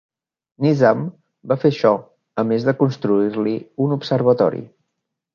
Nizam va fer això, a més de construir-li un observatori.